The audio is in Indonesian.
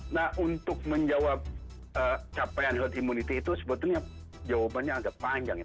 nah untuk menjawab capaian herd immunity itu sebetulnya jawabannya agak panjang